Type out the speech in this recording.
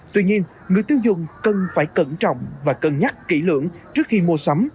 tuy nhiên người tiêu dùng cần phải cẩn trọng và cân nhắc kỹ lưỡng trước khi mua sắm